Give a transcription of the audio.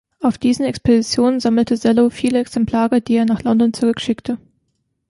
Auf diesen Expeditionen sammelte Sellow viele Exemplare, die er nach London zurückschickte.